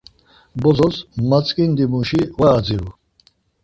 Bozos matzǩindimuşi var adziru.